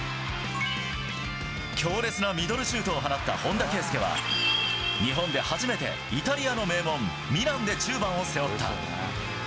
強烈なミドルシュートを放った本田圭佑は、日本で初めてイタリアの名門、ミランで１０番を背負った。